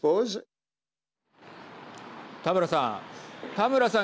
田村さん。